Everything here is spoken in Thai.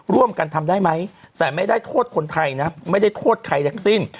ร่วมกันทำได้ไหมแต่ไม่ได้โทษคนไทยนะไม่ได้โทษใครทั้งสิ้น